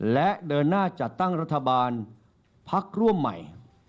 และเดินหน้าจัดตั้งรัฐบาลพักร่วมใหม่